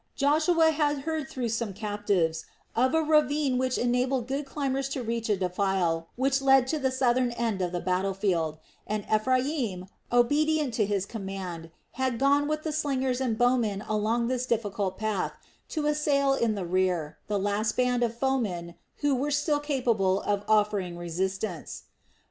Joshua had heard through some captives of a ravine which enabled good climbers to reach a defile which led to the southern end of the battle field; and Ephraim, obedient to his command, had gone with the slingers and bowmen along this difficult path to assail in the rear the last band of foemen who were still capable of offering resistance.